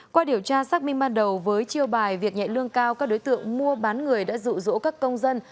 qua điều tra xác minh ban đầu với chiêu bài việc nhẹ lương cao các đối tượng mua bán người đã dụ dỗ các công dân